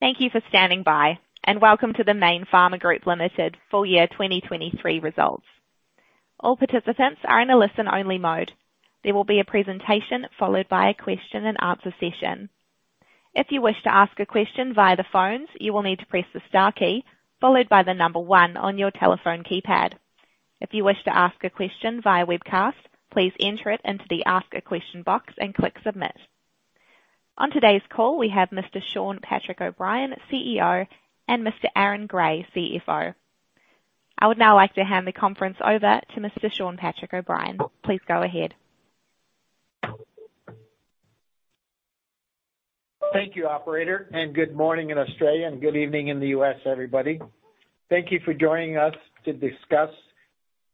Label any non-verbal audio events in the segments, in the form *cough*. Thank you for standing by, and welcome to the Mayne Pharma Group Limited full year 2023 results. All participants are in a listen-only mode. There will be a presentation followed by a question-and-answer session. If you wish to ask a question via the phones, you will need to press the star key followed by the number one on your telephone keypad. If you wish to ask a question via webcast, please enter it into the Ask a Question box and click Submit. On today's call, we have Mr. Shawn Patrick O'Brien, CEO, and Mr. Aaron Gray, CFO. I would now like to hand the conference over to Mr. Shawn Patrick O'Brien. Please go ahead. Thank you, operator, and good morning in Australia and good evening in the US, everybody. Thank you for joining us to discuss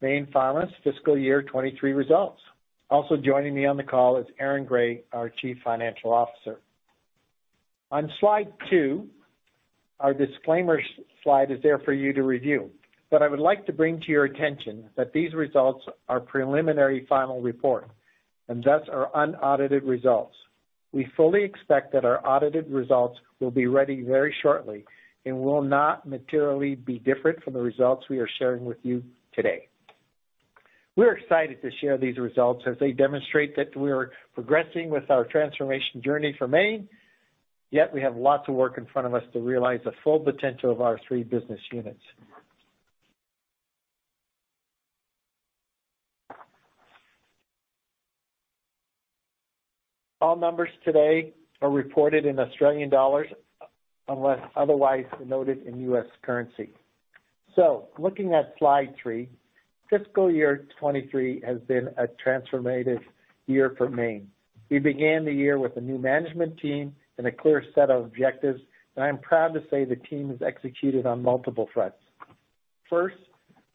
Mayne Pharma's fiscal year 2023 results. Also joining me on the call is Aaron Gray, our Chief Financial Officer. On slide two, our disclaimer slide is there for you to review, but I would like to bring to your attention that these results are preliminary final report and thus are unaudited results. We fully expect that our audited results will be ready very shortly and will not materially be different from the results we are sharing with you today. We're excited to share these results as they demonstrate that we are progressing with our transformation journey for Mayne, yet we have lots of work in front of us to realize the full potential of our three business units. All numbers today are reported in Australian dollars, unless otherwise noted, in US currency. So, looking at slide three, fiscal year 2023 has been a transformative year for Mayne. We began the year with a new management team and a clear set of objectives, and I'm proud to say the team has executed on multiple fronts. First,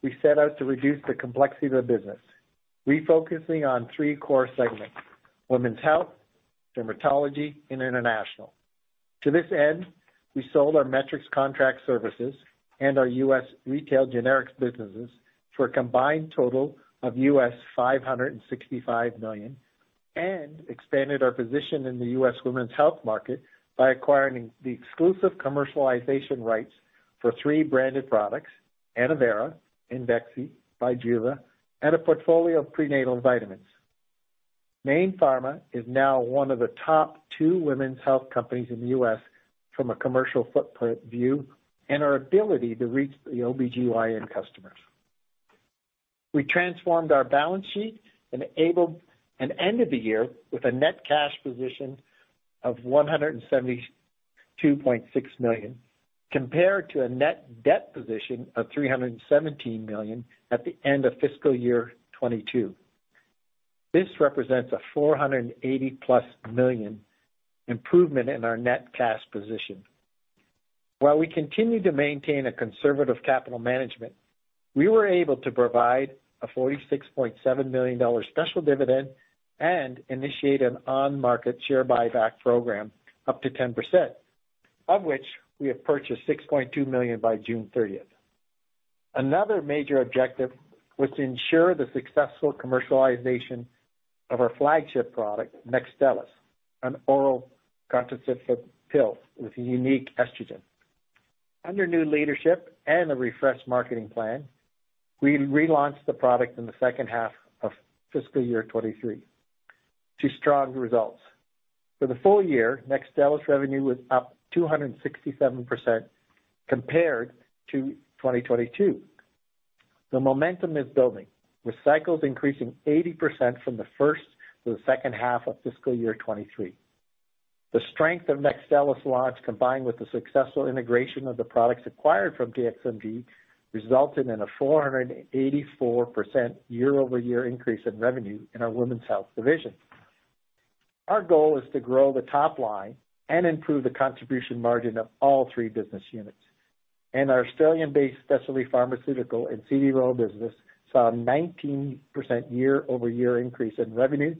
we set out to reduce the complexity of the business, refocusing on three core segments: women's health, dermatology, and international. To this end, we sold our Metrics Contract Services and our US retail generics businesses for a combined total of $565 million and expanded our position in the US women's health market by acquiring the exclusive commercialization rights for three branded products, ANNOVERA, IMVEXXY, BIJUVA, and a portfolio of prenatal vitamins. Mayne Pharma is now one of the top two women's health companies in the US from a commercial footprint view and our ability to reach the OBGYN customers. We transformed our balance sheet and enabled an end of the year with a net cash position of 172.6 million, compared to a net debt position of 317 million at the end of fiscal year 2022. This represents a 480 million plus improvement in our net cash position. While we continue to maintain a conservative capital management, we were able to provide a 46.7 million dollar special dividend and initiate an on-market share buyback program up to 10%, of which we have purchased 6.2 million by 30 June 2023. Another major objective was to ensure the successful commercialization of our flagship product, NEXTSTELLIS, an oral contraceptive pill with a unique estrogen. Under new leadership and a refreshed marketing plan, we relaunched the product in the second half of fiscal year 2023 to strong results. For the full year, NEXTSTELLIS revenue was up 267% compared to 2022. The momentum is building, with cycles increasing 80% from the first to the second half of fiscal year 2023. The strength of NEXTSTELLIS launch, combined with the successful integration of the products acquired from TXMD, resulted in a 484% year-over-year increase in revenue in our women's health division. Our goal is to grow the top line and improve the contribution margin of all three business units. Our Australian-based specialty pharmaceutical and CDMO business saw a 19% year-over-year increase in revenue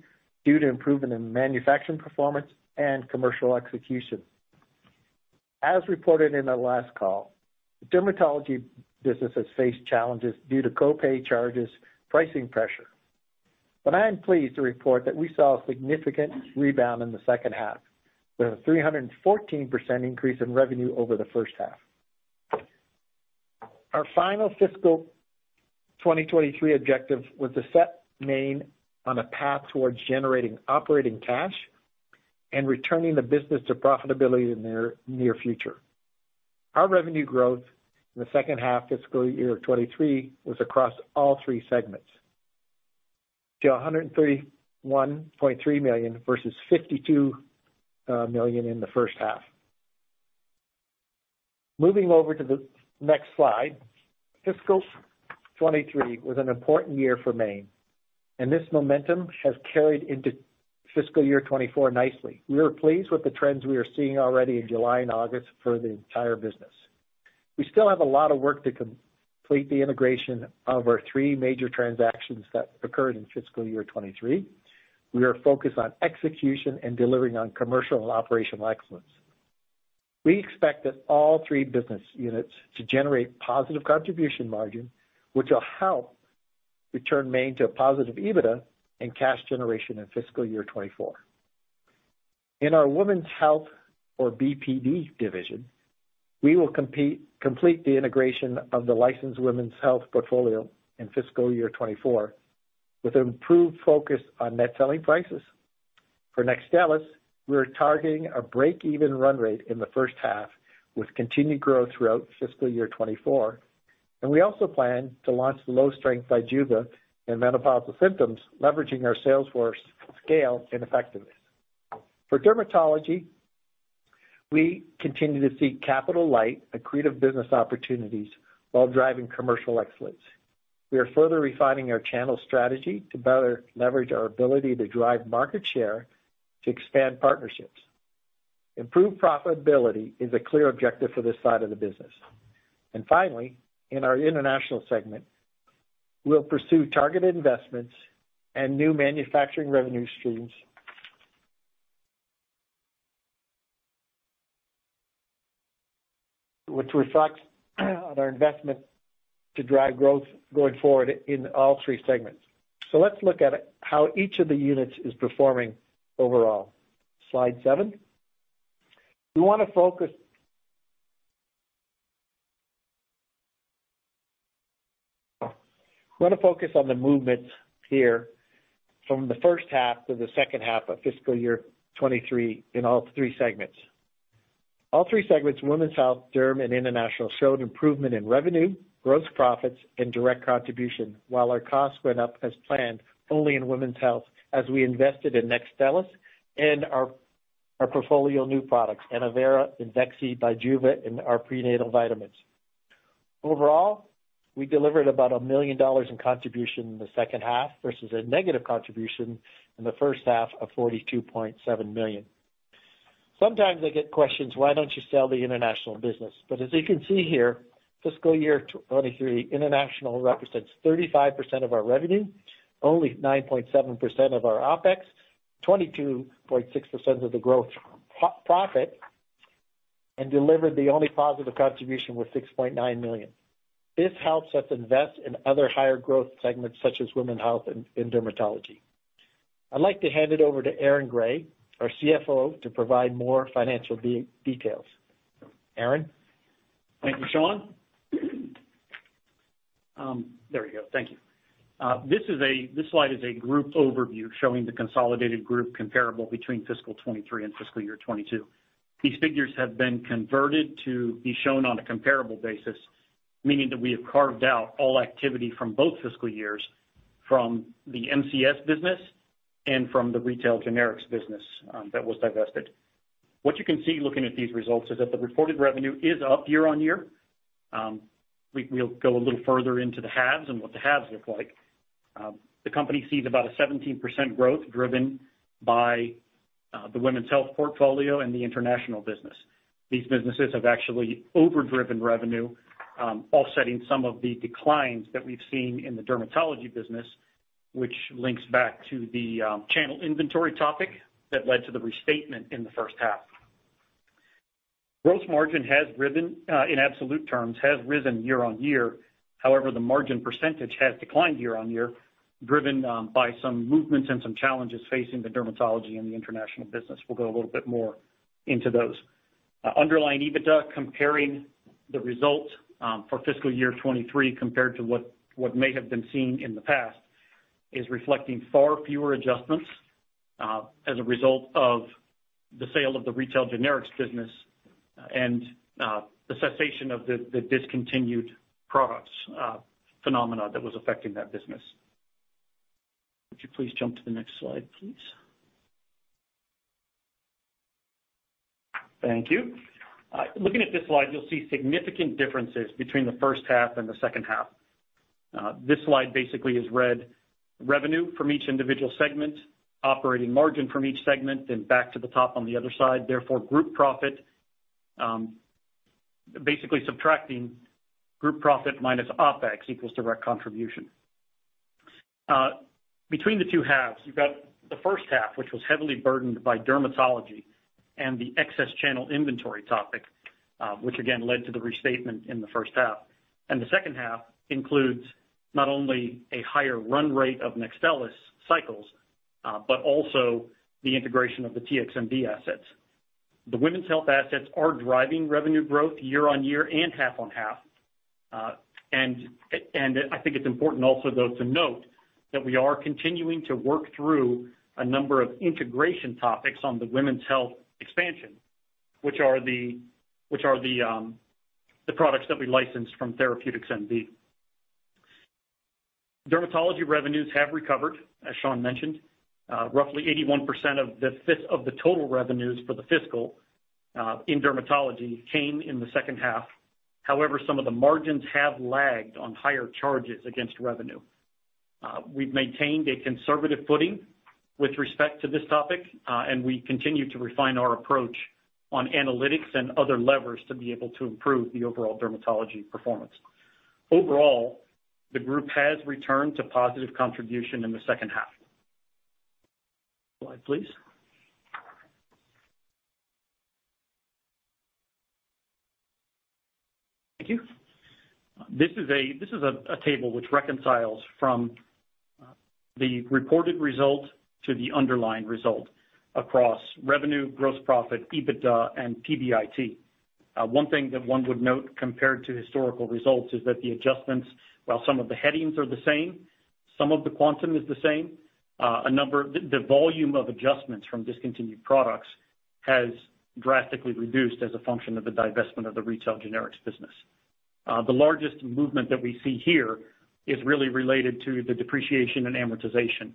due to improvement in manufacturing performance and commercial execution. As reported in our last call, the dermatology business has faced challenges due to co-pay charges, pricing pressure. But I am pleased to report that we saw a significant rebound in the second half, with a 314% increase in revenue over the first half. Our final fiscal 2023 objective was to set Mayne on a path towards generating operating cash and returning the business to profitability in the near future. Our revenue growth in the second half fiscal year of 2023 was across all three segments to 131.3 million versus 52 million in the first half. Moving over to the next slide, fiscal 2023 was an important year for Mayne, and this momentum has carried into fiscal year 2024 nicely. We are pleased with the trends we are seeing already in July and August for the entire business. We still have a lot of work to complete the integration of our three major transactions that occurred in fiscal year 2023. We are focused on execution and delivering on commercial and operational excellence... We expect that all three business units to generate positive contribution margin, which will help return Mayne to a positive EBITDA and cash generation in fiscal year 2024. In our women's health or BPD division, we will complete the integration of the licensed women's health portfolio in fiscal year 2024, with an improved focus on net selling prices. For NEXTSTELLIS, we're targeting a break-even run rate in the first half, with continued growth throughout fiscal year 2024. We also plan to launch low-strength BIJUVA in menopausal symptoms, leveraging our sales force scale and effectiveness. For dermatology, we continue to seek capital-light, accretive business opportunities while driving commercial excellence. We are further refining our channel strategy to better leverage our ability to drive market share to expand partnerships. Improved profitability is a clear objective for this side of the business. Finally, in our international segment, we'll pursue targeted investments and new manufacturing revenue streams, which reflects our investment to drive growth going forward in all three segments. Let's look at how each of the units is performing overall. Slide seven. We wanna focus on the movements here from the first half to the second half of fiscal year 2023 in all three segments. All three segments, women's health, derm, and international, showed improvement in revenue, gross profits, and direct contribution, while our costs went up as planned only in women's health, as we invested in NEXTSTELLIS and our portfolio of new products, ANNOVERA, IMVEXXY, BIJUVA, and our prenatal vitamins. Overall, we delivered about $1 million in contribution in the second half, versus a negative contribution in the first half of $42.7 million. Sometimes I get questions, "Why don't you sell the international business?" But as you can see here, fiscal year 2023, international represents 35% of our revenue, only 9.7% of our OpEx, 22.6% of the gross profit, and delivered the only positive contribution with 6.9 million. This helps us invest in other higher growth segments, such as women's health and in dermatology. I'd like to hand it over to Aaron Gray, our CFO, to provide more financial details. Aaron? Thank you, Shawn. There we go. Thank you. This slide is a group overview showing the consolidated group comparable between fiscal 2023 and fiscal year 2022. These figures have been converted to be shown on a comparable basis, meaning that we have carved out all activity from both fiscal years, from the MCS business and from the retail generics business, that was divested. What you can see looking at these results is that the reported revenue is up year-on-year. We'll go a little further into the halves and what the halves look like. The company sees about a 17% growth, driven by the women's health portfolio and the international business. These businesses have actually over-driven revenue, offsetting some of the declines that we've seen in the dermatology business, which links back to the channel inventory topic that led to the restatement in the first half. Gross margin has risen in absolute terms, has risen year-on-year. However, the margin percentage has declined year-on-year, driven by some movements and some challenges facing the dermatology and the international business. We'll go a little bit more into those. Underlying EBITDA, comparing the results for fiscal year 2023 compared to what may have been seen in the past, is reflecting far fewer adjustments as a result of the sale of the retail generics business and the cessation of the discontinued products phenomena that was affecting that business. Would you please jump to the next slide, please? Thank you. Looking at this slide, you'll see significant differences between the first half and the second half. This slide basically is revenue from each individual segment, operating margin from each segment, then back to the top on the other side, therefore, group profit. Basically, subtracting group profit minus OpEx equals direct contribution. Between the two halves, you've got the first half, which was heavily burdened by dermatology and the excess channel inventory topic, which again led to the restatement in the first half. The second half includes not only a higher run rate of NEXTSTELLIS cycles, but also the integration of the TherapeuticsMD assets. The women's health assets are driving revenue growth year on year and half on half. I think it's important also, though, to note that we are continuing to work through a number of integration topics on the women's health expansion, which are the products that we licensed from TherapeuticsMD. Dermatology revenues have recovered, as Shawn mentioned. Roughly 81% of the total revenues for the fiscal year in dermatology came in the second half. However, some of the margins have lagged on higher charges against revenue. We've maintained a conservative footing with respect to this topic, and we continue to refine our approach on analytics and other levers to be able to improve the overall dermatology performance. Overall, the group has returned to positive contribution in the second half. Slide, please. Thank you. This is a table which reconciles from the reported result to the underlying result across revenue, gross profit, EBITDA, and PBIT. One thing that one would note compared to historical results is that the adjustments, while some of the headings are the same, some of the quantum is the same, the volume of adjustments from discontinued products has drastically reduced as a function of the divestment of the retail generics business. The largest movement that we see here is really related to the depreciation and amortization,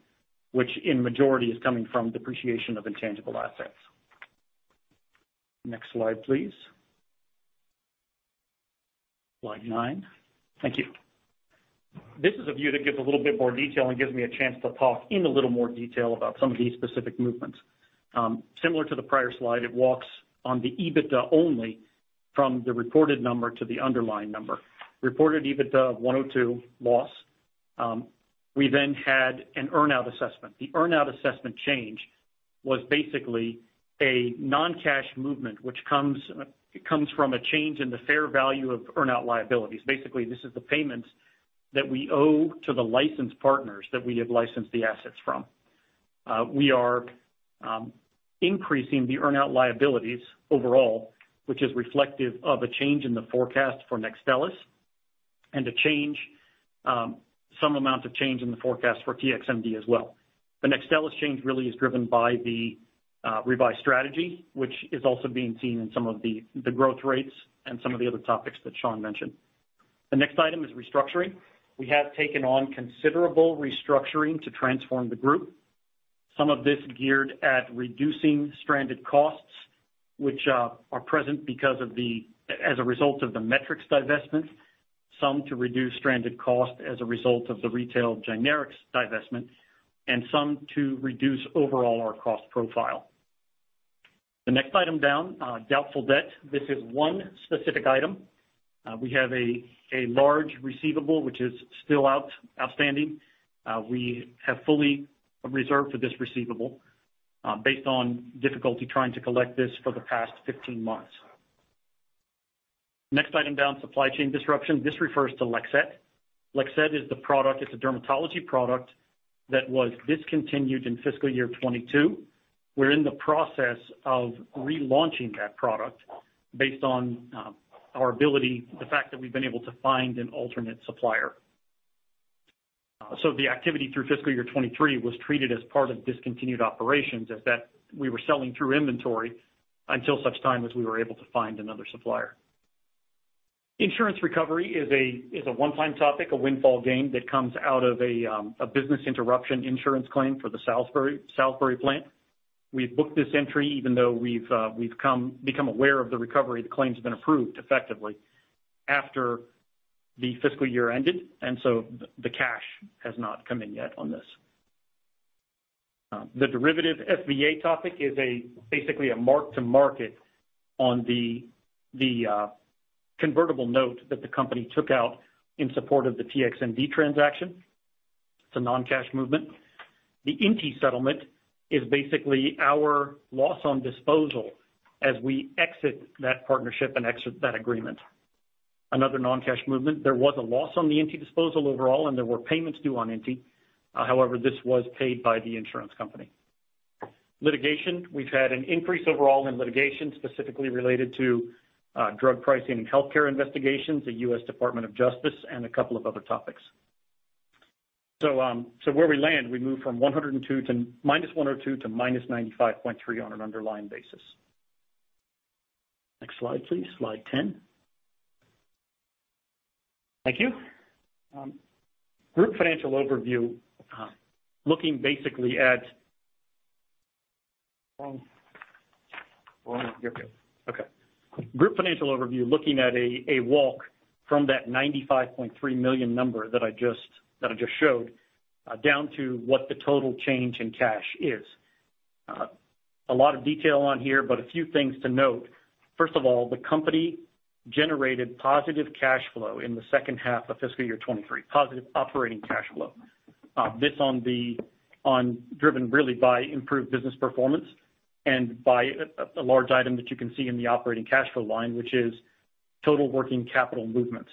which in majority is coming from depreciation of intangible assets. Next slide, please. Slide nine. Thank you. This is a view that gives a little bit more detail and gives me a chance to talk in a little more detail about some of these specific movements. Similar to the prior slide, it walks on the EBITDA only from the reported number to the underlying number. Reported EBITDA of 102 loss. We then had an earn-out assessment. The earn-out assessment change was basically a non-cash movement, which comes from a change in the fair value of earn-out liabilities. Basically, this is the payments that we owe to the licensed partners that we have licensed the assets from. We are increasing the earn-out liabilities overall, which is reflective of a change in the forecast for NEXTSTELLIS, and a change, some amount of change in the forecast for TXMD as well. The NEXTSTELLIS change really is driven by the revised strategy, which is also being seen in some of the growth rates and some of the other topics that Shawn mentioned. The next item is restructuring. We have taken on considerable restructuring to transform the group. Some of this geared at reducing stranded costs, which, are present because of as a result of the Metrics divestment, some to reduce stranded costs as a result of the retail generics divestment, and some to reduce overall our cost profile. The next item down, doubtful debt. This is one specific item. We have a large receivable, which is still outstanding. We have fully reserved for this receivable, based on difficulty trying to collect this for the past 15 months. Next item down, supply chain disruption. This refers to LEXETTE. LEXETTE is the product, it's a dermatology product that was discontinued in fiscal year 2022. We're in the process of relaunching that product based on, our ability, the fact that we've been able to find an alternate supplier. So the activity through fiscal year 2023 was treated as part of discontinued operations, as that we were selling through inventory until such time as we were able to find another supplier. Insurance recovery is a one-time topic, a windfall gain that comes out of a business interruption insurance claim for the Salisbury plant. We've booked this entry even though we've become aware of the recovery. The claim's been approved effectively after the fiscal year ended, and so the cash has not come in yet on this. The derivative FVA topic is basically a mark to market on the convertible note that the company took out in support of the TXMD transaction. It's a non-cash movement. The INTI settlement is basically our loss on disposal as we exit that partnership and exit that agreement. Another non-cash movement, there was a loss on the INTI disposal overall, and there were payments due on INTI. However, this was paid by the insurance company. Litigation. We've had an increase overall in litigation, specifically related to drug pricing and healthcare investigations, the US Department of Justice, and a couple of other topics. So, where we land, we move from 102 to negative 102 to negative 95.3 on an underlying basis. Next slide, please. Slide 10. Thank you. Group financial overview, looking basically at... Okay. Group financial overview, looking at a walk from that 95.3 million number that I just, that I just showed, down to what the total change in cash is. A lot of detail on here, but a few things to note. First of all, the company generated positive cash flow in the second half of fiscal year 2023, positive operating cash flow. This is driven really by improved business performance and by a large item that you can see in the operating cash flow line, which is total working capital movements.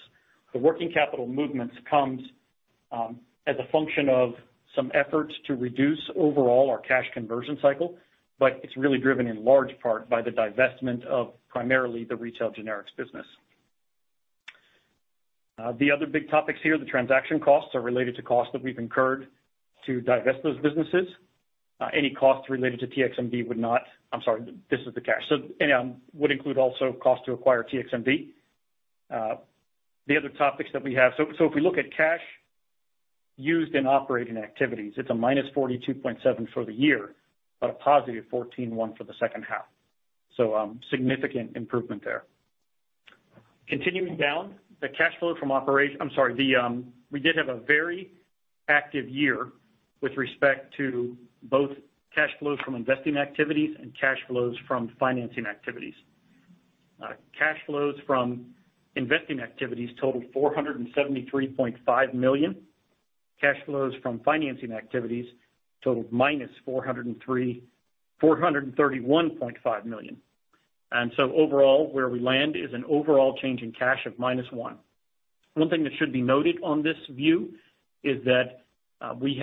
The working capital movements come as a function of some efforts to reduce overall our cash conversion cycle, but it's really driven in large part by the divestment of primarily the retail generics business. The other big topics here, the transaction costs, are related to costs that we've incurred to divest those businesses. Any costs related to TXMD would not... I'm sorry, this is the cash. So, and would include also cost to acquire TXMD. The other topics that we have, so if we look at cash used in operating activities, it's a negative 42.7 million for the year, but a positive 14.1 million for the second half. So, significant improvement there. Continuing down, I'm sorry, we did have a very active year with respect to both cash flows from investing activities and cash flows from financing activities. Cash flows from investing activities totaled 473.5 million. Cash flows from financing activities totaled negative 431.5 million. And so overall, where we land is an overall change in cash of negative 1 million. One thing that should be noted on this view is that we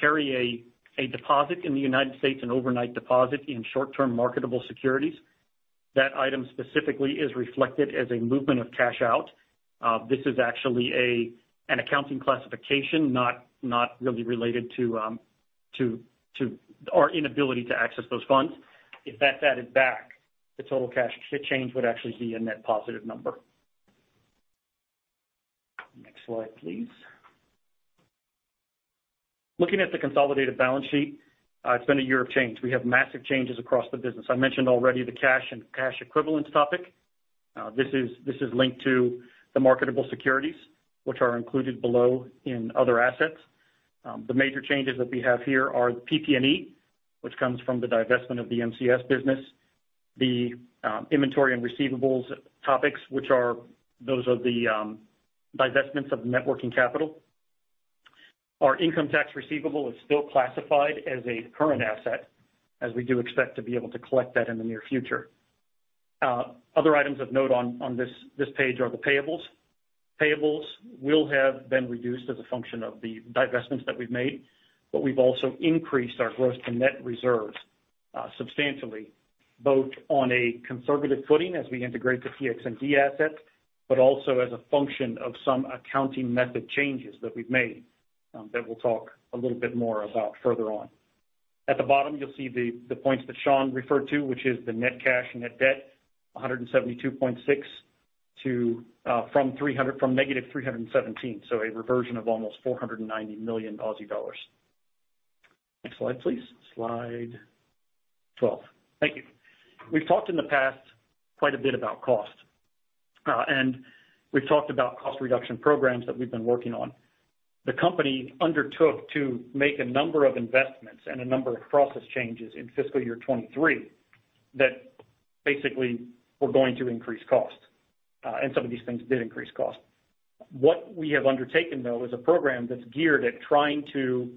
carry a deposit in the United States, an overnight deposit in short-term marketable securities. That item specifically is reflected as a movement of cash out. This is actually an accounting classification, not really related to our inability to access those funds. If that's added back, the total cash change would actually be a net positive number. Next slide, please. Looking at the consolidated balance sheet, it's been a year of change. We have massive changes across the business. I mentioned already the cash and cash equivalents topic. This is linked to the marketable securities, which are included below in other assets. The major changes that we have here are the PP&E, which comes from the divestment of the MCS business, the inventory and receivables topics, which are those of the divestments of the net working capital. Our income tax receivable is still classified as a current asset, as we do expect to be able to collect that in the near future. Other items of note on this page are the payables. Payables will have been reduced as a function of the divestments that we've made, but we've also increased our gross to net reserves substantially, both on a conservative footing as we integrate the TherapeuticsMD assets, but also as a function of some accounting method changes that we've made, that we'll talk a little bit more about further on. At the bottom, you'll see the points that Shawn referred to, which is the net cash and net debt, from negative 317 to 172.6, so a reversion of almost 490 million Aussie dollars. Next slide, please. Slide 12. Thank you. We've talked in the past quite a bit about cost, and we've talked about cost reduction programs that we've been working on. The company undertook to make a number of investments and a number of process changes in fiscal year 2023, that basically were going to increase cost, and some of these things did increase cost. What we have undertaken, though, is a program that's geared at trying to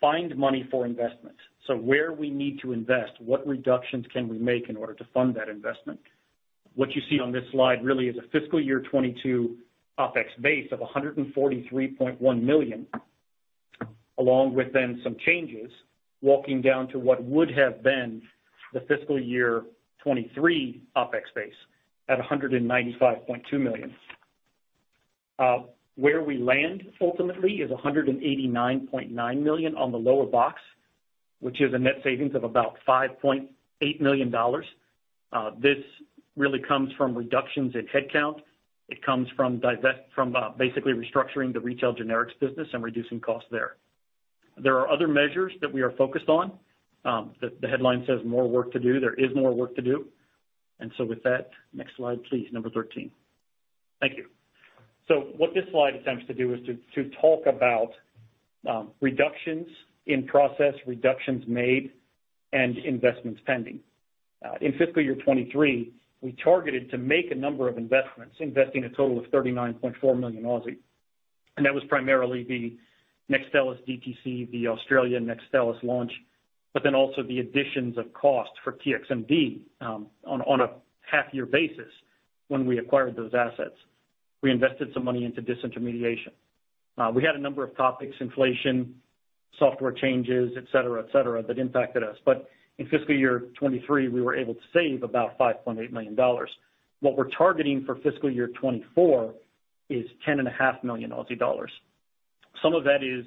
find money for investment. So, where we need to invest, what reductions can we make in order to fund that investment? What you see on this slide really is a fiscal year 2022 OpEx base of $143.1 million, along with then some changes, walking down to what would have been the fiscal year 2023 OpEx base at $195.2 million. Where we land ultimately is $189.9 million on the lower box, which is a net savings of about $5.8 million. This really comes from reductions in headcount. It comes from divest from, basically restructuring the retail generics business and reducing costs there. There are other measures that we are focused on. The headline says, "More work to do." There is more work to do. And so with that, next slide, please, number 13. Thank you. So what this slide attempts to do is to talk about reductions in process, reductions made, and investments pending. In fiscal year 2023, we targeted to make a number of investments, investing a total of 39.4 million, and that was primarily the NEXTSTELLIS DTC, the Australian NEXTSTELLIS launch, but then also the additions of cost for TherapeuticsMD, on a half year basis when we acquired those assets. We invested some money into disintermediation. We had a number of topics: inflation, software changes, et cetera, et cetera, that impacted us. But in fiscal year 2023, we were able to save about $5.8 million. What we're targeting for fiscal year 2024 is 10.5 million Aussie dollars. Some of that is,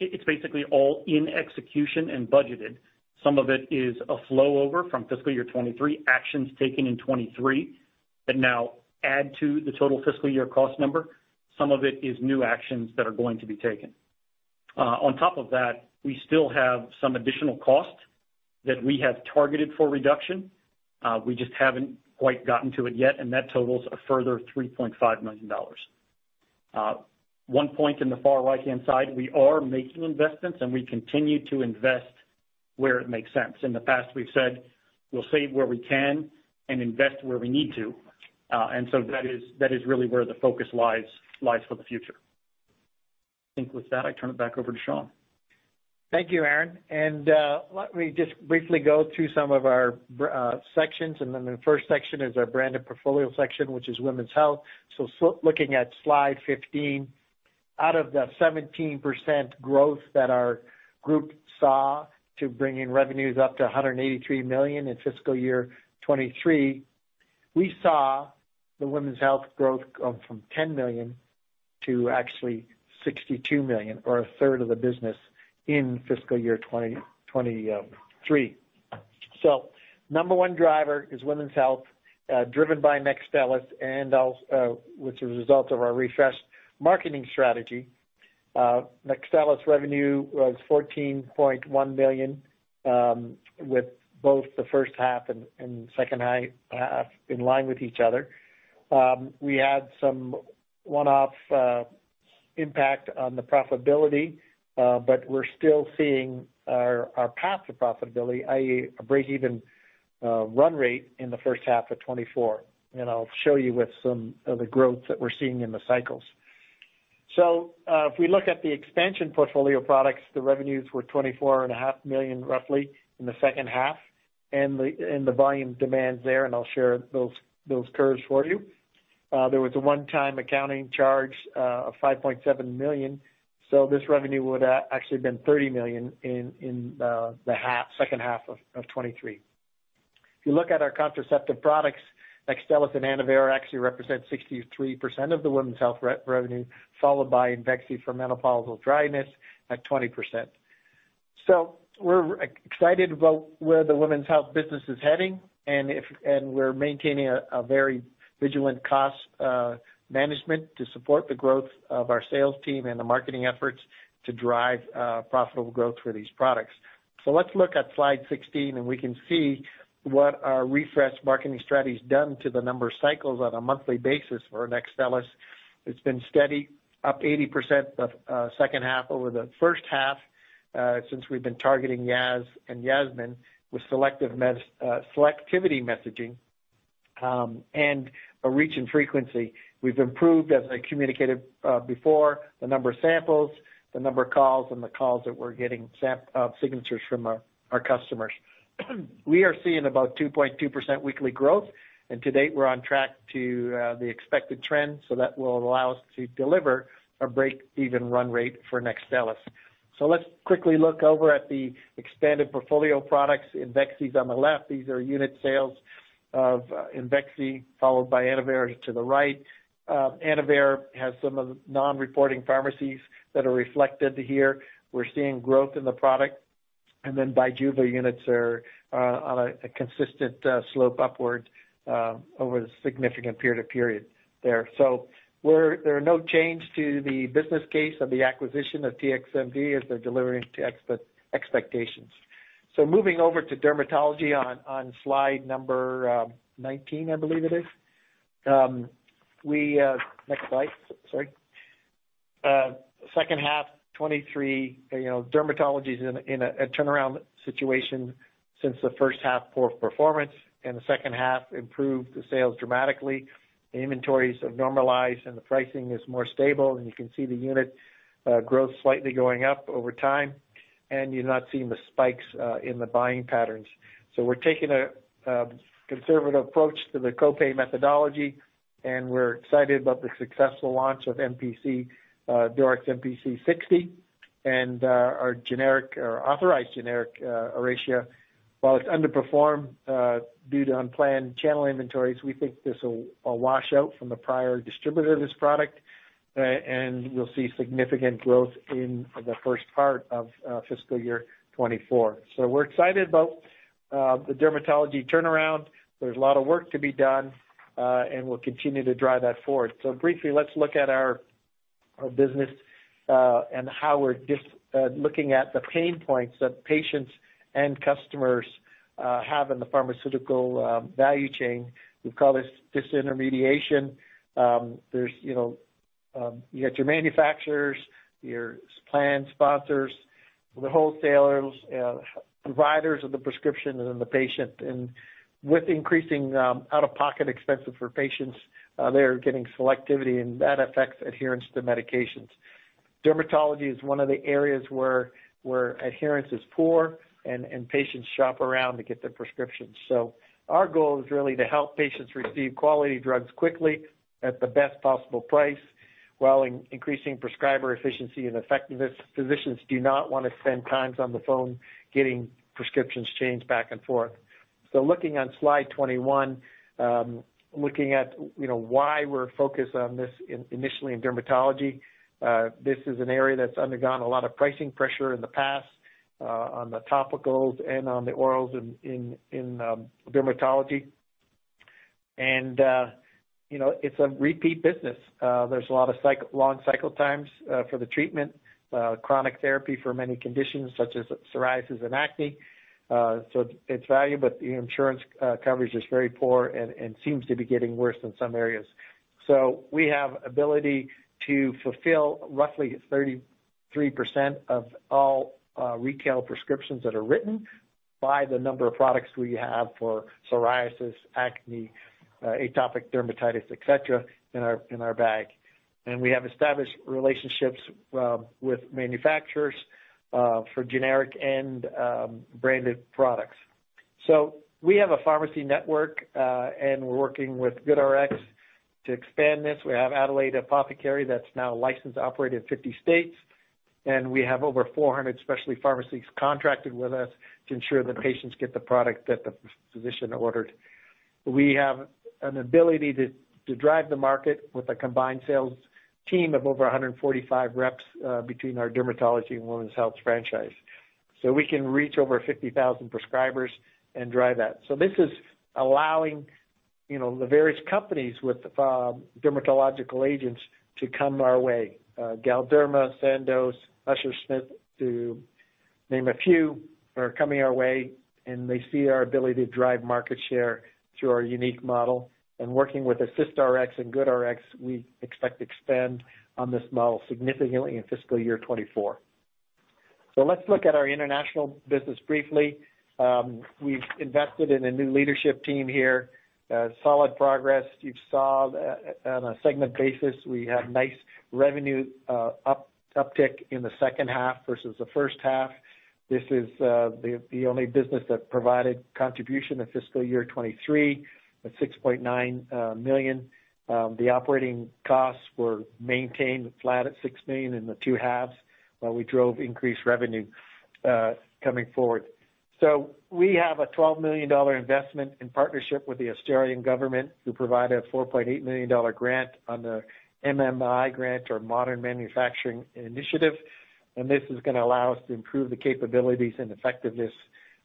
it's basically all in execution and budgeted. Some of it is a flow over from fiscal year 2023, actions taken in 2023, that now add to the total fiscal year cost number. Some of it is new actions that are going to be taken. On top of that, we still have some additional costs that we have targeted for reduction. We just haven't quite gotten to it yet, and that totals a further $3.5 million. One point in the far right-hand side, we are making investments, and we continue to invest where it makes sense. In the past, we've said we'll save where we can and invest where we need to. And so that is really where the focus lies for the future. I think with that, I turn it back over to Shawn. Thank you, Aaron, and let me just briefly go through some of our sections. Then the first section is our branded portfolio section, which is women's health. So looking at slide 15, out of the 17% growth that our group saw to bring in revenues up to 183 million in fiscal year 2023, we saw the women's health growth go from 10 million to actually 62 million or a third of the business in fiscal year 2023. So, number one driver is women's health, driven by NEXTSTELLIS, and also which is a result of our refreshed marketing strategy. NEXTSTELLIS revenue was 14.1 million, with both the first half and second half in line with each other. We had some one-off impact on the profitability, but we're still seeing our path to profitability, i.e., a breakeven run rate in the first half of 2024. And I'll show you with some of the growth that we're seeing in the cycles. So, if we look at the expansion portfolio of products, the revenues were $24.5 million, roughly, in the second half, and the volume demands there, and I'll share those curves for you. There was a one-time accounting charge of $5.7 million, so this revenue would actually been $30 million in the second half of 2023. If you look at our contraceptive products, NEXTSTELLIS and ANNOVERA actually represent 63% of the women's health revenue, followed by IMVEXXY for menopausal dryness at 20%. So we're excited about where the women's health business is heading, and we're maintaining a very vigilant cost management to support the growth of our sales team and the marketing efforts to drive profitable growth for these products. So let's look at slide 16, and we can see what our refreshed marketing strategy has done to the number of cycles on a monthly basis for NEXTSTELLIS. It's been steady, up 80% the second half over the first half, since we've been targeting Yaz and Yasmin with selective selectivity messaging, and a reach in frequency. We've improved, as I communicated before, the number of samples, the number of calls, and the calls that we're getting signatures from our customers. We are seeing about 2.2% weekly growth, and to date, we're on track to the expected trend, so that will allow us to deliver a break-even run rate for NEXTSTELLIS. So let's quickly look over at the expanded portfolio products, IMVEXXY is on the left. These are unit sales of IMVEXXY, followed by ANNOVERA to the right. ANNOVERA has some of the non-reporting pharmacies that are reflected here. We're seeing growth in the product. And then BIJUVA units are on a consistent slope upward over the significant period to period there. So there are no change to the business case of the acquisition of TherapeuticsMD as they're delivering to expectations. So moving over to dermatology on slide number 19, I believe it is. Next slide. Sorry. Second half 2023, you know, dermatology is in a turnaround situation since the first half poor performance, and the second half improved the sales dramatically. The inventories have normalized, and the pricing is more stable, and you can see the unit growth slightly going up over time, and you're not seeing the spikes in the buying patterns. So we're taking a conservative approach to the copay methodology, and we're excited about the successful launch of MPC DORYX MPC 60, and our generic or authorized generic Arazlo. While it's underperformed due to unplanned channel inventories, we think this will wash out from the prior distributor of this product, and we'll see significant growth in the first part of fiscal year 2024. So we're excited about the dermatology turnaround. There's a lot of work to be done, and we'll continue to drive that forward. So briefly, let's look at our business, and how we're looking at the pain points that patients and customers have in the pharmaceutical value chain. We call this disintermediation. There's, you know, you got your manufacturers, your plan sponsors, the wholesalers, providers of the prescription, and then the patient. And with increasing out-of-pocket expenses for patients, they're getting selectivity, and that affects adherence to medications. Dermatology is one of the areas where adherence is poor and patients shop around to get their prescriptions. So, our goal is really to help patients receive quality drugs quickly, at the best possible price, while increasing prescriber efficiency and effectiveness. Physicians do not want to spend times on the phone getting prescriptions changed back and forth. So looking on slide 21, looking at, you know, why we're focused on this initially in dermatology, this is an area that's undergone a lot of pricing pressure in the past, on the topicals and on the orals in dermatology. And, you know, it's a repeat business. There's a lot of long cycle times for the treatment, chronic therapy for many conditions such as psoriasis and acne. So it's value, but the insurance coverage is very poor and seems to be getting worse in some areas. So, we have ability to fulfill roughly 33% of all retail prescriptions that are written by the number of products we have for psoriasis, acne, atopic dermatitis, et cetera, in our bag. We have established relationships with manufacturers for generic and branded products. So, we have a pharmacy network, and we're working with GoodRx to expand this. We have Adelaide Apothecary that's now licensed to operate in 50 states, and we have over 400 specialty pharmacies contracted with us to ensure that patients get the product that the physician ordered. We have an ability to drive the market with a combined sales team of over 145 reps between our dermatology and women's health franchise. So, we can reach over 50,000 prescribers and drive that. So this is allowing, you know, the various companies with dermatological agents to come our way, Galderma, Sandoz, Upsher-Smith, to name a few, are coming our way, and they see our ability to drive market share through our unique model. And working with AssistRx and GoodRx, we expect to expand on this model significantly in fiscal year 2024. So let's look at our international business briefly. We've invested in a new leadership team here, solid progress. You saw on a segment basis, we had nice revenue, uptick in the second half versus the first half. This is the only business that provided contribution in fiscal year 2023, at 6.9 million. The operating costs were maintained flat at 16 million in the two halves, while we drove increased revenue coming forward. So we have a 12 million dollar investment in partnership with the Australian government, who provided a 4.8 million dollar grant on the MMI grant or Modern Manufacturing Initiative. And this is gonna allow us to improve the capabilities and effectiveness,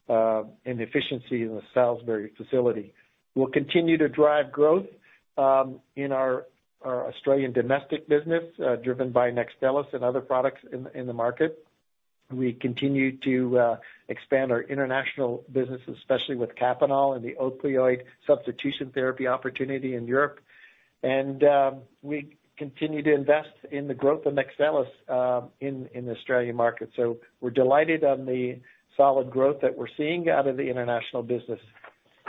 and efficiency in the Salisbury facility. We'll continue to drive growth, in our, our Australian domestic business, driven by NEXTSTELLIS and other products in, in the market. We continue to, expand our international business, especially with Kapanol and the opioid substitution therapy opportunity in Europe. And we continue to invest in the growth of NEXTSTELLIS, in, in the Australian market. So, we're delighted on the solid growth that we're seeing out of the international business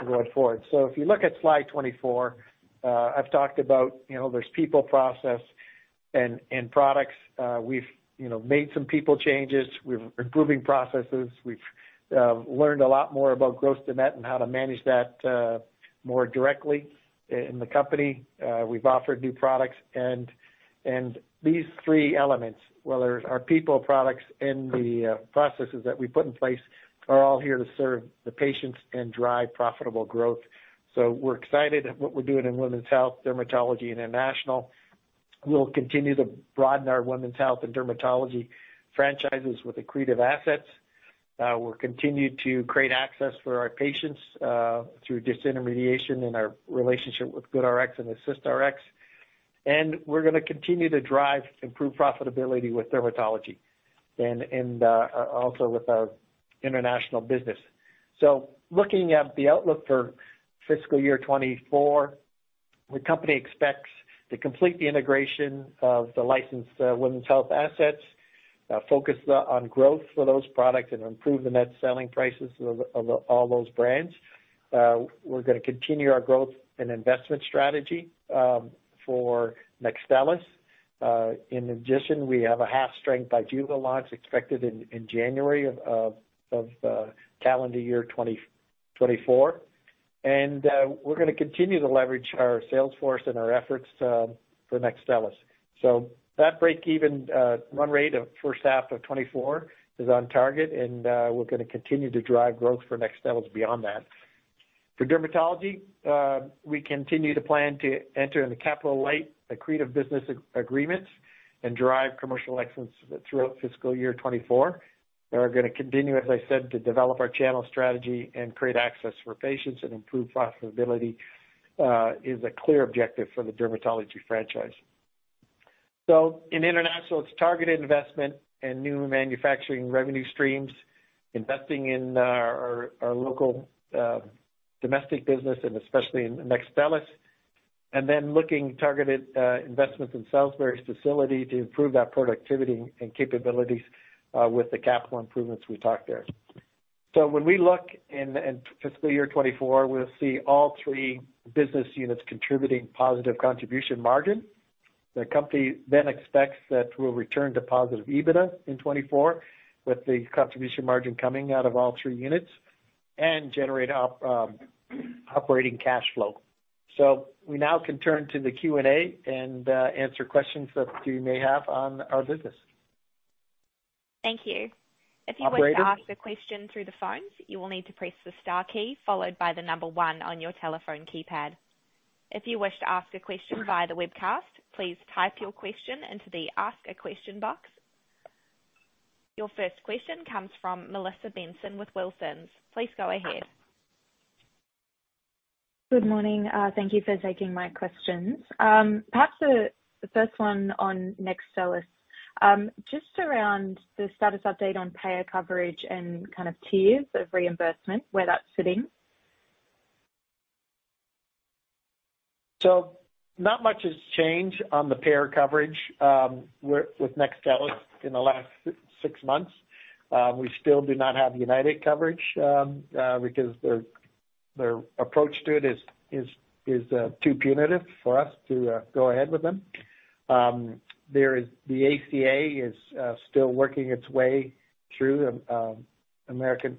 going forward. So, if you look at slide 24, I've talked about, you know, there's people, process, and, and products. We've, you know, made some people changes. We're improving processes. We've learned a lot more about Gross to Net and how to manage that more directly in the company. We've offered new products, and these three elements, with our people, products, and the processes that we put in place, are all here to serve the patients and drive profitable growth. So we're excited at what we're doing in women's health, dermatology, and international. We'll continue to broaden our women's health and dermatology franchises with accretive assets. We'll continue to create access for our patients through disintermediation in our relationship with GoodRx and AssistRx. And we're gonna continue to drive improved profitability with dermatology and also with our international business. So, looking at the outlook for fiscal year 2024, the company expects to complete the integration of the licensed women's health assets, focus on growth for those products and improve the net selling prices of all those brands. We're gonna continue our growth and investment strategy for NEXTSTELLIS. In addition, we have a half-strength BIJUVA launch expected in January of calendar year 2024. And we're gonna continue to leverage our sales force and our efforts for NEXTSTELLIS. So that break even run rate of first half of 2024 is on target, and we're gonna continue to drive growth for NEXTSTELLIS beyond that. For dermatology, we continue to plan to enter in the capital-light accretive business agreements and drive commercial excellence throughout fiscal year 2024. We are gonna continue, as I said, to develop our channel strategy and create access for patients and improve profitability, is a clear objective for the dermatology franchise. So in international, it's targeted investment and new manufacturing revenue streams, investing in our local domestic business and especially in NEXTSTELLIS, and then looking targeted investments in Salisbury's facility to improve that productivity and capabilities, with the capital improvements we talked there. So when we look in, in fiscal year 2024, we'll see all three business units contributing positive contribution margin. The company then expects that we'll return to positive EBITDA in 2024, with the contribution margin coming out of all three units, and generate up operating cash flow. So we now can turn to the Q&A and answer questions that you may have on our business. Thank you. Operator? If you wish to ask a question through the phones, you will need to press the star key followed by the number one on your telephone keypad. If you wish to ask a question via the webcast, please type your question into the Ask a Question box. Your first question comes from Melissa Benson with Wilsons. Please go ahead. Good morning. Thank you for taking my questions. Perhaps the first one on NEXTSTELLIS. Just around the status update on payer coverage and kind of tiers of reimbursement, where that's sitting? So not much has changed on the payer coverage with NEXTSTELLIS in the last six months. We still do not have United coverage because their approach to it is too punitive for us to go ahead with them. There is... The ACA is still working its way through the American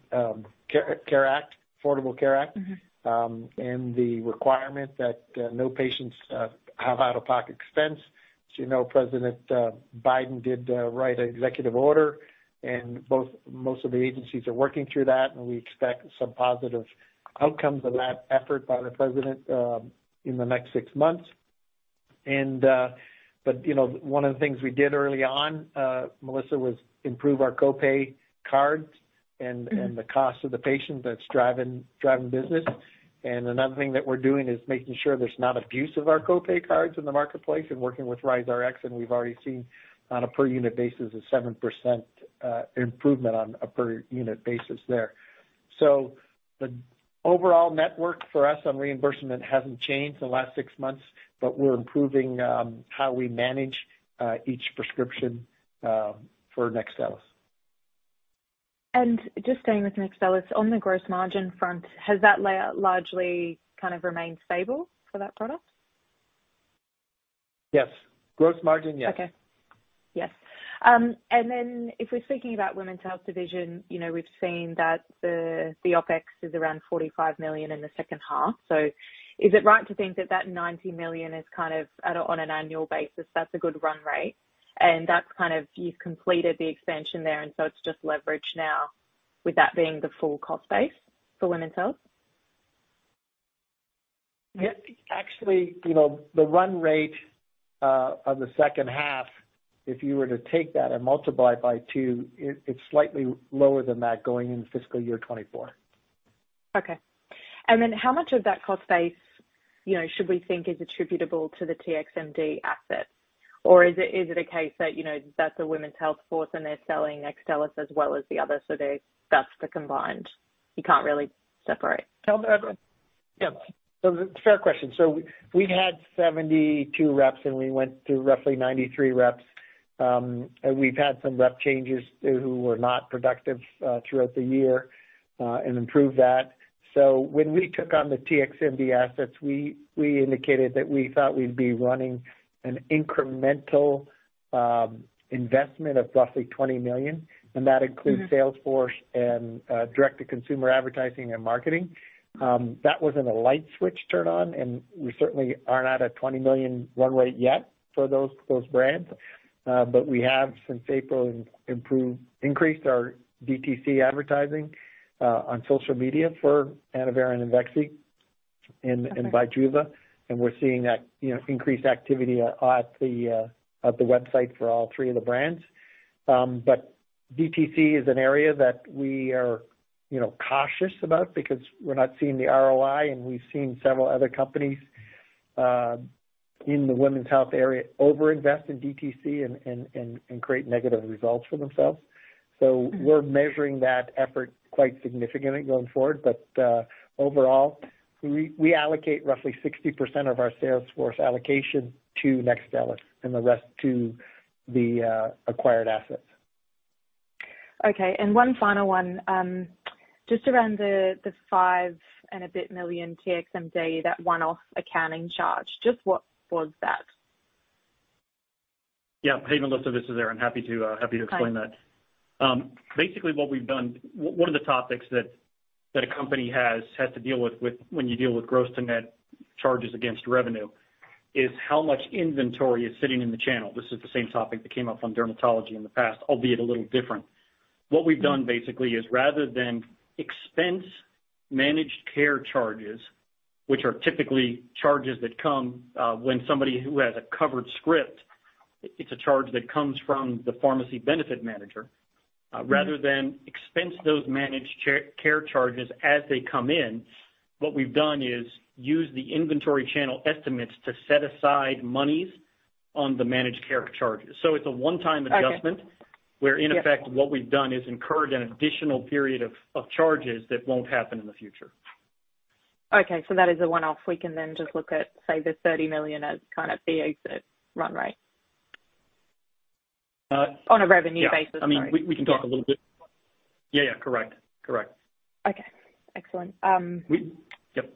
Care Act, Affordable Care Act. Mm-hmm. And the requirement that no patients have out-of-pocket expense. As you know, President Biden did write an executive order, and most of the agencies are working through that, and we expect some positive outcomes of that effort by the president in the next six months. But you know, one of the things we did early on, Melissa, was improve our co-pay cards and the cost to the patient that's driving business. And another thing that we're doing is making sure there's not abuse of our co-pay cards in the marketplace and working with AssistRx, and we've already seen on a per unit basis, a 7% improvement on a per unit basis there. The overall network for us on reimbursement hasn't changed in the last six months, but we're improving how we manage each prescription for NEXTSTELLIS. Just staying with NEXTSTELLIS, on the gross margin front, has that layout largely kind of remained stable for that product? Yes. Gross margin, yes. Okay. Yes. And then if we're thinking about women's health division, you know, we've seen that the OpEx is around $45 million in the second half. So, is it right to think that that $90 million is kind of at a, on an annual basis, that's a good run rate, and that's kind of, you've completed the expansion there, and so it's just leverage now with that being the full cost base for women's health? Yeah. Actually, you know, the run rate of the second half, if you were to take that and multiply it by 2, it's slightly lower than that going into fiscal year 2024. Okay. And then how much of that cost base, you know, should we think is attributable to the TXMD assets? Or is it, is it a case that, you know, that's a women's health force and they're selling NEXTSTELLIS as well as the other, so they- that's the combined, you can't really separate? Tell me about that. Yeah. So fair question. So, we had 72 reps, and we went through roughly 93 reps. And we've had some rep changes who were not productive throughout the year and improved that. So, when we took on the TXMD assets, we, we indicated that we thought we'd be running an incremental investment of roughly $20 million, and that includes... Mm-hmm. salesforce and, direct to consumer advertising and marketing. That wasn't a light switch turn on, and we certainly are not at $20 million run rate yet for those, those brands. But we have since April, increased our DTC advertising, on social media for ANNOVERA and IMVEXXY, and, and BIJUVA. Okay. We're seeing that, you know, increased activity at the website for all three of the brands. But DTC is an area that we are, you know, cautious about because we're not seeing the ROI, and we've seen several other companies in the women's health area overinvest in DTC and create negative results for themselves. Mm-hmm. So we're measuring that effort quite significantly going forward. But overall, we allocate roughly 60% of our sales force allocation to NEXTSTELLIS and the rest to the acquired assets. Okay. One final one. Just around the 5 and a bit million TXMD, that one-off accounting charge. Just what was that? Yeah, hey, Melissa, this is Aaron. I'm happy to, happy to explain that. Okay. Basically, what we've done... One of the topics that a company has to deal with, when you deal with Gross to Net charges against revenue, is how much inventory is sitting in the channel. This is the same topic that came up on dermatology in the past, albeit a little different. Mm-hmm. What we've done basically is rather than expense managed care charges, which are typically charges that come when somebody who has a covered script. It's a charge that comes from the pharmacy benefit manager. Mm-hmm. Rather than expense those managed care charges as they come in, what we've done is use the inventory channel estimates to set aside monies on the managed care charges. Okay. It's a one-time adjustment, where in effect... Yes. What we've done is incurred an additional period of charges that won't happen in the future. Okay, so that is a one-off. We can then just look at, say, the 30 million as kind of the exit run rate? Uh... *crosstalk* On a revenue basis. Yeah. Sorry. I mean, we, we can talk a little bit. Yeah, yeah, correct. Correct. Okay, excellent. We... Yep.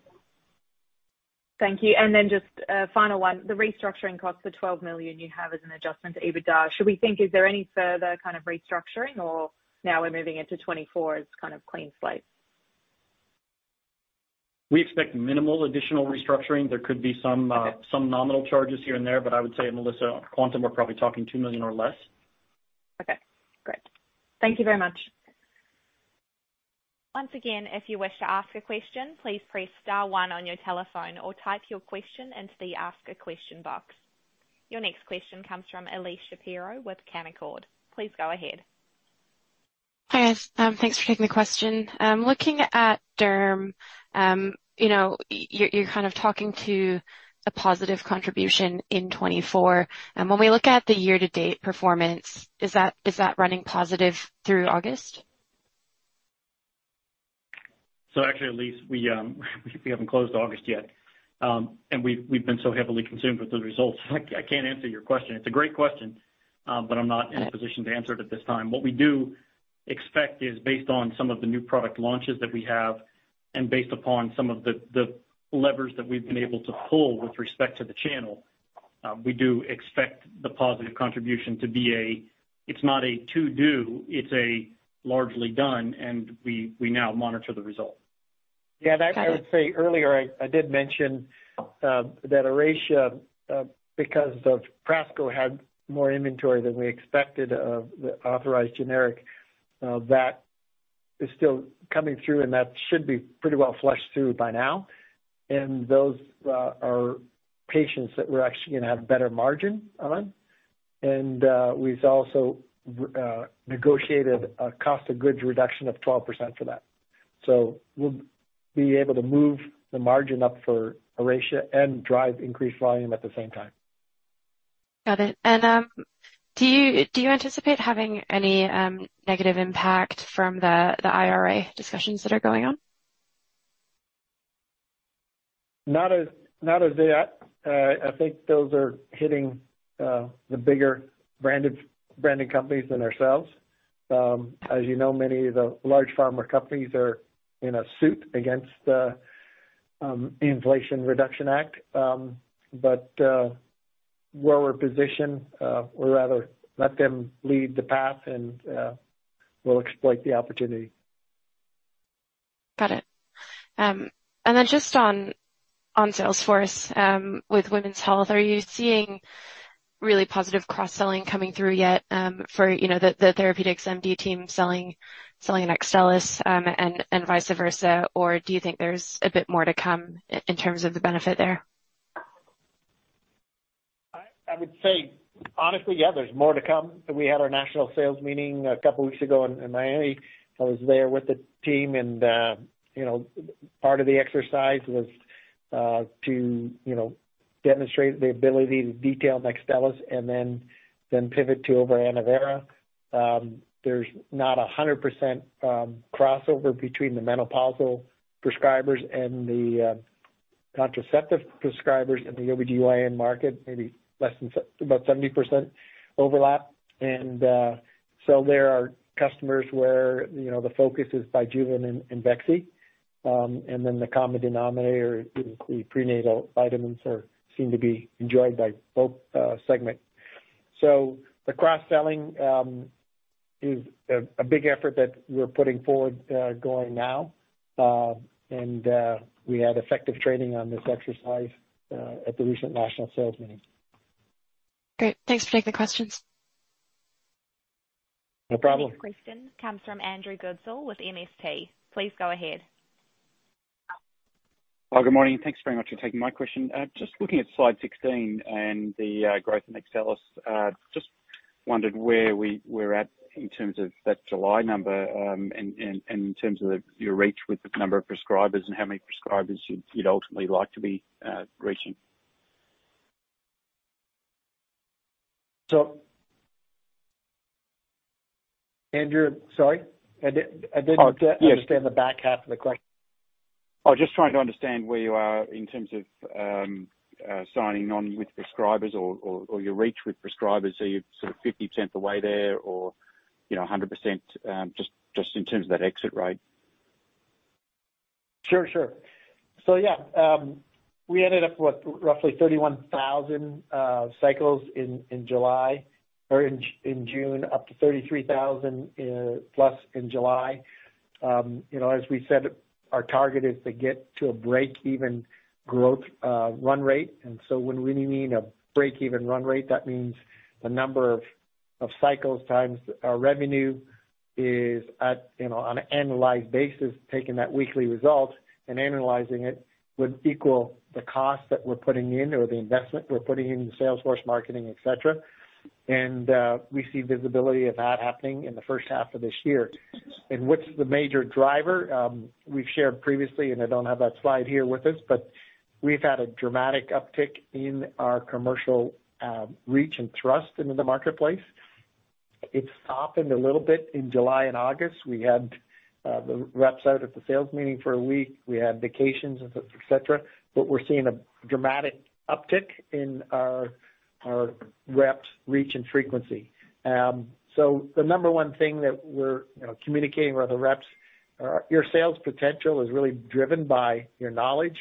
Thank you. And then just a final one, the restructuring costs for 12 million you have as an adjustment to EBITDA, should we think, is there any further kind of restructuring or now we're moving into 2024 as kind of clean slate? We expect minimal additional restructuring. There could be some... Okay. Some nominal charges here and there, but I would say, Melissa, on quantum, we're probably talking 2 million or less. Okay, great. Thank you very much. Once again, if you wish to ask a question, please press star one on your telephone or type your question into the Ask a Question box. Your next question comes from Elyse Shapiro with Canaccord. Please go ahead. Hi, guys. Thanks for taking the question. Looking at Derm, you know, you're kind of talking to a positive contribution in 2024. When we look at the year-to-date performance, is that running positive through August? So actually, Elyse, we haven't closed August yet. And we've been so heavily consumed with the results. I can't answer your question. It's a great question, but I'm not in a position... Okay. To answer it at this time. What we do expect is, based on some of the new product launches that we have and based upon some of the levers that we've been able to pull with respect to the channel, we do expect the positive contribution to be a, it's not a to-do, it's a largely done, and we now monitor the result. Yeah. Got it. As I said earlier, I did mention that Arazlo, because of Prasco, had more inventory than we expected of the authorized generic. That is still coming through, and that should be pretty well flushed through by now. And those are patients that we're actually going to have better margin on. And we've also negotiated a cost of goods reduction of 12% for that. So, we'll be able to move the margin up for Arazlo and drive increased volume at the same time. Got it. Do you anticipate having any negative impact from the IRA discussions that are going on? Not as yet. I think those are hitting the bigger branded companies than ourselves. As you know, many of the large pharma companies are in a suit against the Inflation Reduction Act. But where we're positioned, we'd rather let them lead the path and we'll exploit the opportunity. Got it. And then just on sales force with women's health, are you seeing really positive cross-selling coming through yet, for you know, the TherapeuticsMD team selling NEXTSTELLIS and vice versa? Or do you think there's a bit more to come in terms of the benefit there? I would say, honestly, yeah, there's more to come. We had our national sales meeting a couple weeks ago in Miami. I was there with the team, and you know, part of the exercise was to you know, demonstrate the ability to detail NEXTSTELLIS and then pivot to ANNOVERA. There's not 100%, crossover between the menopausal prescribers and the contraceptive prescribers in the OBGYN market, maybe less than about 70% overlap. And so, there are customers where, you know, the focus is BIJUVA and IMVEXXY. And then the common denominator include prenatal vitamins seem to be enjoyed by both segment. So, the cross-selling is a big effort that we're putting forward, going now. We had effective training on this exercise at the recent national sales meeting. Great. Thanks for taking the questions. No problem. Next question comes from Andrew Goodsall with MST. Please go ahead. Well, good morning, and thanks very much for taking my question. Just looking at slide 16 and the growth in NEXTSTELLIS, just wondered where we're at in terms of that July number, and in terms of your reach with the number of prescribers and how many prescribers you'd ultimately like to be reaching. So, Andrew, sorry, I did... *crosstalk* Oh, yes. I didn't understand the back half of the question. Oh, just trying to understand where you are in terms of signing on with prescribers or your reach with prescribers. Are you sort of 50% the way there or, you know, 100%, just, just in terms of that exit rate? Sure, sure. So, yeah, we ended up with roughly 31,000 cycles in June, up to 33,000 plus in July. You know, as we said, our target is to get to a break-even growth run rate. And so when we mean a break-even run rate, that means the number of cycles times our revenue is at, you know, on an annualized basis, taking that weekly result and analyzing it, would equal the cost that we're putting in or the investment we're putting in, the sales force, marketing, et cetera. And we see visibility of that happening in the first half of this year. And what's the major driver? We've shared previously, and I don't have that slide here with us, but we've had a dramatic uptick in our commercial reach and thrust into the marketplace. It softened a little bit in July and August. We had the reps out at the sales meeting for a week. We had vacations, et cetera. But we're seeing a dramatic uptick in our reps' reach and frequency. So the number one thing that we're you know communicating with the reps your sales potential is really driven by your knowledge,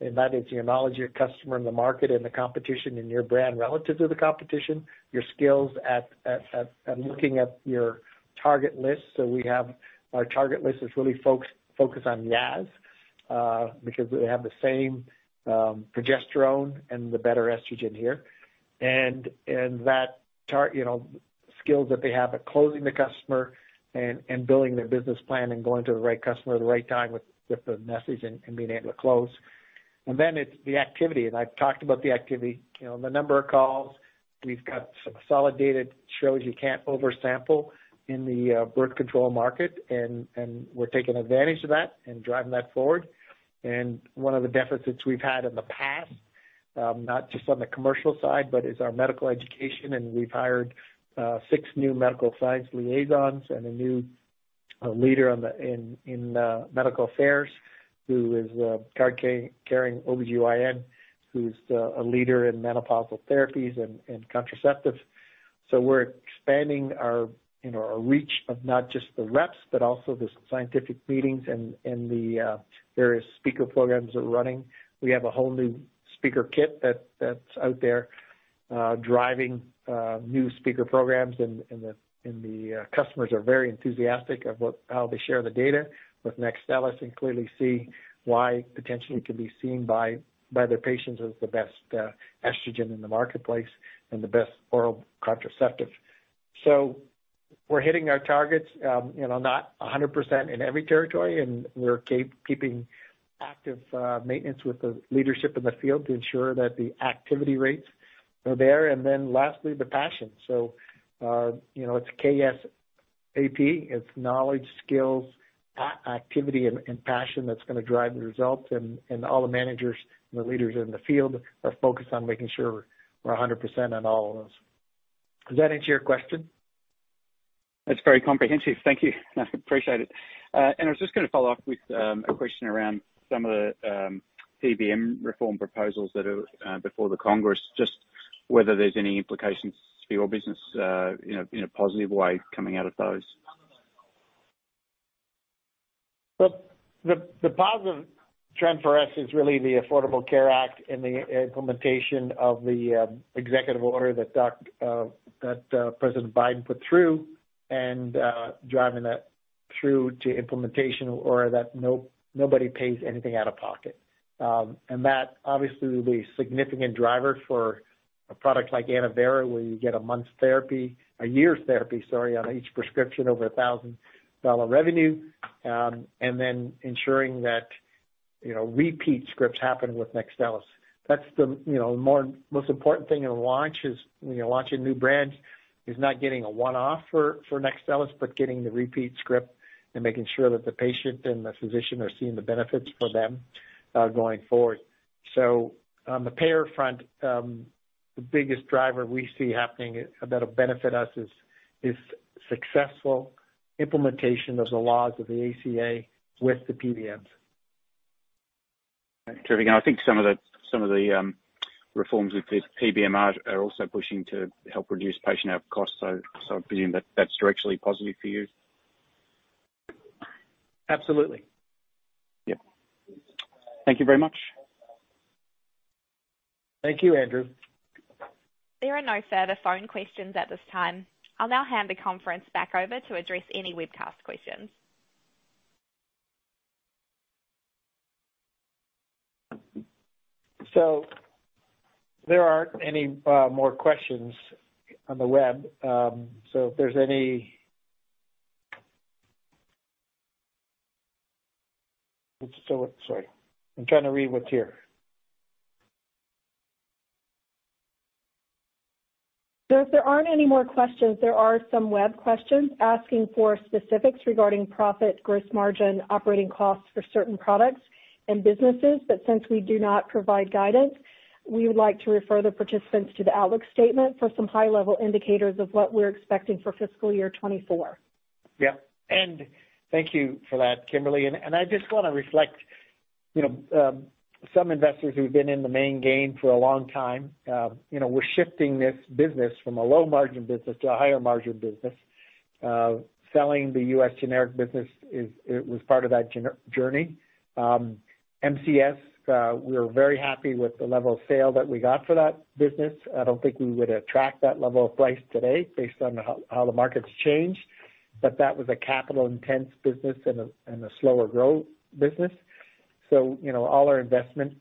and that is your knowledge of your customer in the market and the competition, and your brand relative to the competition, your skills at looking at your target list. So we have our target list, which really folks focus on Yaz because they have the same progesterone and the better estrogen here. You know, skills that they have at closing the customer and building their business plan and going to the right customer at the right time with the message and being able to close. Then it's the activity, and I've talked about the activity, you know, the number of calls. We've got some solid data that shows you can't oversample in the birth control market, and we're taking advantage of that and driving that forward. One of the deficits we've had in the past, not just on the commercial side, but is our medical education, and we've hired six new medical science liaisons and a new leader in medical affairs, who is a card-carrying OBGYN, who's a leader in menopausal therapies and contraceptives. So we're expanding our, you know, our reach of not just the reps, but also the scientific meetings and the various speaker programs that are running. We have a whole new speaker kit that's out there driving new speaker programs. And the customers are very enthusiastic about how they share the data with NEXTSTELLIS and clearly see why potentially it could be seen by their patients as the best estrogen in the marketplace and the best oral contraceptive. We're hitting our targets, you know, not 100% in every territory, and we're keeping active maintenance with the leadership in the field to ensure that the activity rates are there. And then lastly, the passion. So, you know, it's KSAP, it's knowledge, skills, activity, and passion that's gonna drive the results. And all the managers and the leaders in the field are focused on making sure we're 100% on all of those. Does that answer your question? That's very comprehensive. Thank you. I appreciate it. I was just gonna follow up with a question around some of the PBM reform proposals that are before the Congress, just whether there's any implications for your business, in a positive way coming out of those? Well, the positive trend for us is really the Affordable Care Act and the implementation of the executive order that President Biden put through and driving that through to implementation or that nobody pays anything out of pocket. And that obviously will be a significant driver for a product like ANNOVERA, where you get a month's therapy... a year's therapy, sorry, on each prescription, over $1,000 revenue. And then ensuring that, you know, repeat scripts happen with NEXTSTELLIS. That's the, you know, most important thing in a launch is, when you're launching new brands, is not getting a one-off for NEXTSTELLIS, but getting the repeat script and making sure that the patient and the physician are seeing the benefits for them going forward. On the payer front, the biggest driver we see happening that'll benefit us is successful implementation of the laws of the ACA with the PBMs. Terrific. And I think some of the reforms with the PBM are also pushing to help reduce patient out-of-pocket costs. So, I'm assuming that that's directionally positive for you? Absolutely. Yep. Thank you very much. Thank you, Andrew. There are no further phone questions at this time. I'll now hand the conference back over to address any webcast questions. So, there aren't any more questions on the web. So, if there's any... It's still, sorry. I'm trying to read what's here. If there aren't any more questions, there are some web questions asking for specifics regarding profit, gross margin, operating costs for certain products and businesses. Since we do not provide guidance, we would like to refer the participants to the outlook statement for some high-level indicators of what we're expecting for fiscal year 2024. Yeah, and thank you for that, Kimberly. And I just want to reflect, you know, some investors who've been in the Mayne game for a long time, you know, we're shifting this business from a low-margin business to a higher-margin business. Selling the US generic business, it was part of that generic journey. MCS, we were very happy with the level of sale that we got for that business. I don't think we would attract that level of price today based on how the market's changed, but that was a capital-intense business and a slower growth business. So, you know, all our investment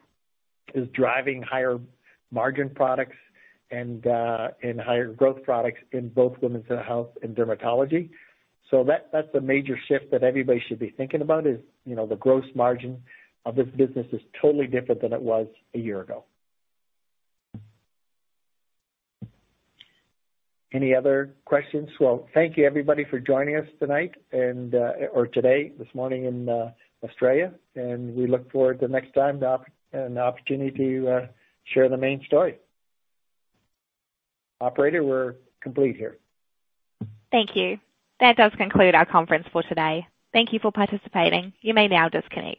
is driving higher margin products and higher growth products in both women's health and dermatology. So that's a major shift that everybody should be thinking about, you know, the gross margin of this business is totally different than it was a year ago. Any other questions? Well, thank you, everybody, for joining us tonight and, or today, this morning in Australia, and we look forward to next time the opportunity to share the Mayne story. Operator, we're complete here. Thank you. That does conclude our conference for today. Thank you for participating. You may now disconnect.